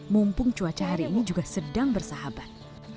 mumpung cuaca hari ini juga sedang bersahabat